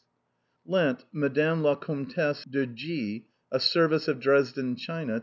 Lent Mme. la Comtesse de G a service of Dresden china.